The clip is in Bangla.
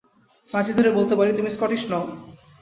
বাজি ধরে বলতে পারি, তুমি স্কটিশ নও।